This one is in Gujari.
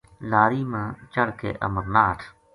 لاری ما چڑھ کے امرناہٹھ